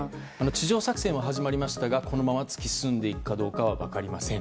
地上作戦は始まりましたがこのまま突き進んでいくかどうかは分かりません。